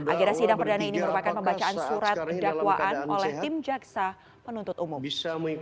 akhirnya sidang perdana ini merupakan pembacaan surat dakwaan oleh tim jaksa penuntut umum